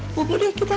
ah bubi deh kita